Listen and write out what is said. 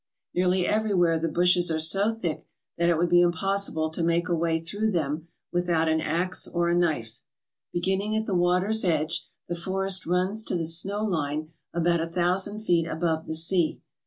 Nearly everywhere the bushes are so thick that it would be impossible to make a way through them with out an axe or a knife. Beginning at the water's edge, the forest runs to the snow line about a thousand feet above the sea.